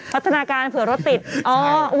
พัฒนาการเผื่อรถติด